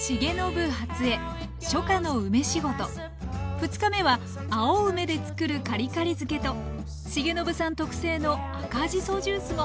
２日目は青梅で作るカリカリ漬けと重信さん特製の赤じそジュースも。